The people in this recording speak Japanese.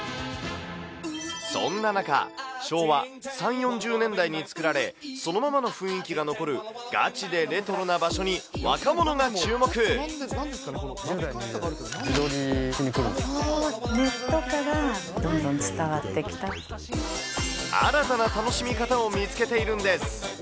そんな中、昭和３、４０年代に作られ、そのままの雰囲気が残る、ガチで１０代、ネットからどんどん伝わって新たな楽しみ方を見つけているんです。